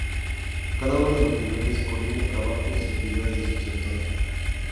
Cada uno de esos niveles coordina el trabajo y las actividades de su sector.